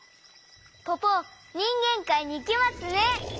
ポポにんげんかいにいけますね！